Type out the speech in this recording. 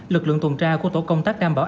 lực lượng tuần tra của tổ công tác đảm bảo